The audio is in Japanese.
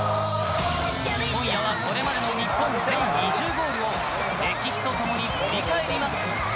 今夜はこれまでの日本、全２０ゴールを歴史とともに振り返ります。